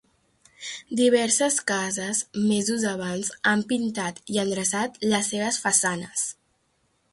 Diverses cases, mesos abans, han pintat i endreçat les seves façanes.